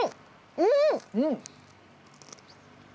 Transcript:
うん。